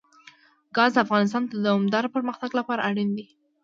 ګاز د افغانستان د دوامداره پرمختګ لپاره اړین دي.